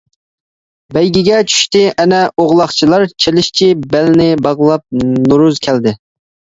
بەيگىگە چۈشتى ئەنە ئوغلاقچىلار، چېلىشچى بەلنى باغلاپ نورۇز كەلدى.